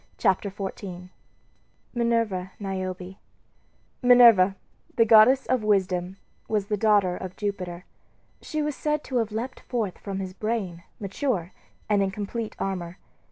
CHAPTER XIV MINERVA NIOBE MINERVA Minerva, the goddess of wisdom, was the daughter of Jupiter. She was said to have leaped forth from his brain, mature, and in complete armor.